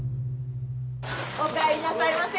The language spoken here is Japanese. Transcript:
お帰りなさいませ。